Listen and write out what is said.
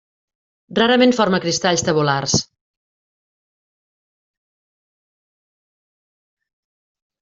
Rarament forma cristalls tabulars.